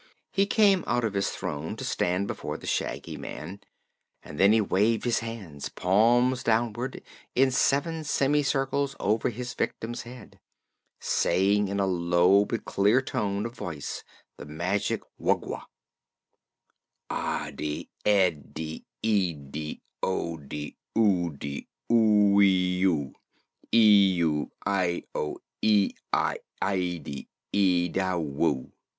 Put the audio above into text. He came out of his throne to stand before the Shaggy Man, and then he waved his hands, palms downward, in seven semicircles over his victim's head, saying in a low but clear tone of voice the magic wugwa: "Adi, edi, idi, odi, udi, oo i oo! Idu, ido, idi, ide, ida, woo!"